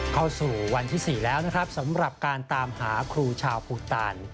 เข้าสู่วันที่๔แล้วนะครับสำหรับการตามหาครูชาวภูตาน